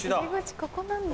ここなんだ。